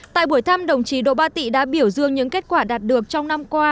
tại buổi thăm đồng chí đỗ ba tị đã biểu dương những kết quả đạt được trong năm qua